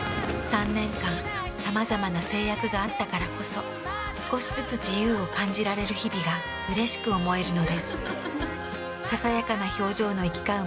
３年間さまざまな制約があったからこそ少しずつ自由を感じられる日々がうれしく思えるのです。